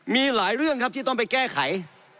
มีหลายเรื่องครับที่ต้องไปแก้ไข